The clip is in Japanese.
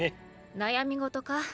悩み事か？